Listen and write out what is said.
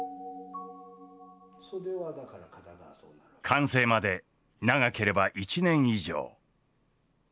完成まで長ければ１年以上。